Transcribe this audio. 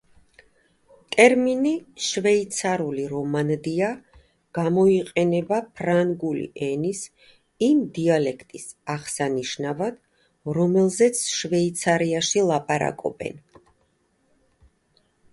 ტერმინი „შვეიცარიული რომანდია“ გამოიყენება ფრანგული ენის იმ დიალექტის აღსანიშნავად, რომელზეც შვეიცარიაში ლაპარაკობენ.